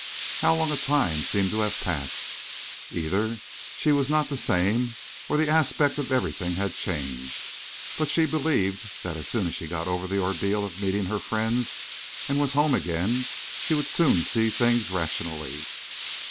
How long a time seemed to have passed! Either she was not the same or the aspect of everything had changed. But she believed that as soon as she got over the ordeal of meeting her friends, and was home again, she would soon see things rationally.